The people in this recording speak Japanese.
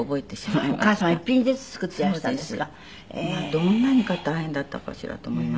どんなにか大変だったかしらと思いますよ。